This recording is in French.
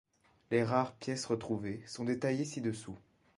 Les rares pièces retrouvées sont détaillées ci-dessous.